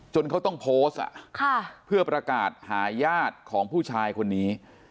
เขาต้องโพสต์เพื่อประกาศหาญาติของผู้ชายคนนี้